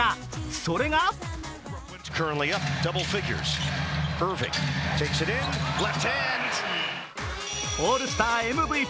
それがオールスターＭＶＰ。